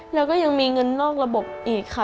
แล้วก็ยังมีเงินนอกระบบอีกค่ะ